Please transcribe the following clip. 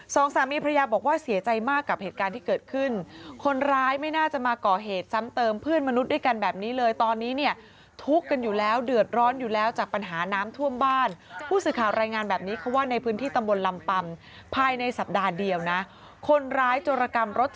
สองสามีภรรยาบอกว่าเสียใจมากกับเหตุการณ์ที่เกิดขึ้นคนร้ายไม่น่าจะมาก่อเหตุซ้ำเติมเพื่อนมนุษย์ด้วยกันแบบนี้เลยตอนนี้เนี่ยทุกข์กันอยู่แล้วเดือดร้อนอยู่แล้วจากปัญหาน้ำท่วมบ้านผู้สื่อข่าวรายงานแบบนี้เขาว่าในพื้นที่ตำบลลำปำภายในสัปดาห์เดียวนะคนร้ายโจรกรรมรถ